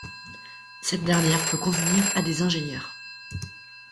Cette dernière peut convenir à des ingénieurs.